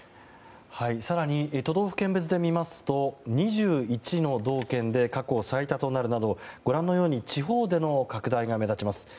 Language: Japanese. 更に都道府県別で見ますと２１の道県で過去最多となるなどご覧のように地方での拡大が目立ちます。